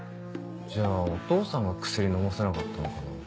じゃあお父さんが薬飲ませなかったのかな。